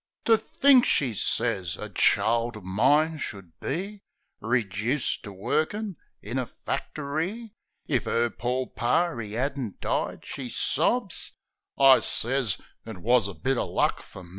''To think," she sez, "a child o' mine should be Rejuiced to workin' in a factory! If 'er pore Par 'e 'adn't died," s he sobs ... I sez.. "It wus a bit o' luck for me."